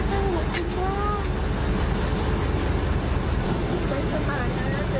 ก็ยังโดยอะไรกันป่ะครับ